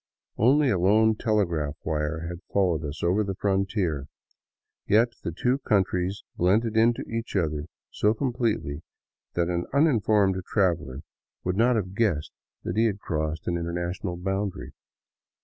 Only a lone telegraph wire had followed us over the frontier, yet the two countries blended into each other so completely that an uninformed traveler would not have ii8 DOWN THE ANDES TO QUITO guessed that he had crossed an international boundary.